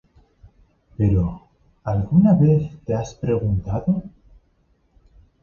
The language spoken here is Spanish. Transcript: Pero… ¿alguna vez te has preguntado?